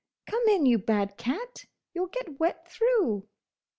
"Come in, you bad cat, you 'll get wet through!"